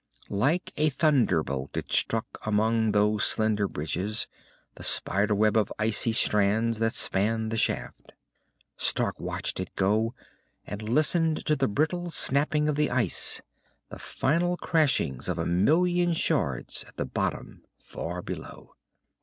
Like a thunderbolt it struck among those slender bridges, the spiderweb of icy strands that spanned the shaft. Stark watched it go, and listened to the brittle snapping of the ice, the final crashing of a million shards at the bottom far below.